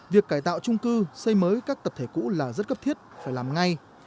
việc cải tạo trung cư xây mới các tập thể cũ là rất cấp thiết phải làm ngay